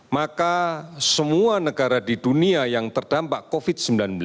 maka semua negara di dunia yang terdampak covid sembilan belas